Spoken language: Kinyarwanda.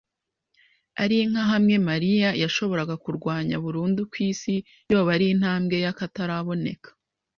Ari nka hamwe malaria yoshobora kurwanywa burundu kw'isi, yoba ari intambwe y'akataraboneka.